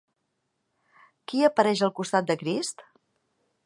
Qui apareix al costat de Crist?